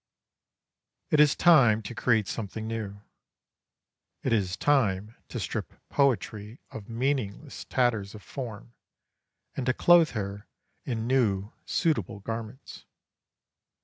It is time to create something new. It is time to strip poetry of meaningless tatters of form, and to clothe her in new, suitable garments.